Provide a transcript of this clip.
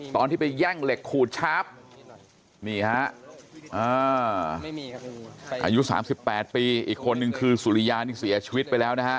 ตอนที่ไปแย่งเหล็กขูดชาร์ฟนี่ฮะอายุ๓๘ปีอีกคนนึงคือสุริยานี่เสียชีวิตไปแล้วนะฮะ